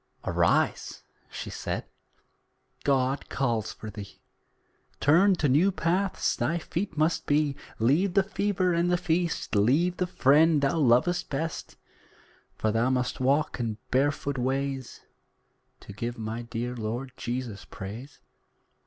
"Arise," she said "God calls for thee, Turned to new paths thy feet must be. Leave the fever and the feast Leave the friend thou lovest best: For thou must walk in barefoot ways, To give my dear Lord Jesus praise."